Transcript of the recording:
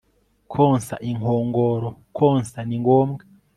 konsa inkongoro Konsa ni ngombwa